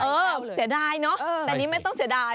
เสียดายเนอะแต่นี่ไม่ต้องเสียดาย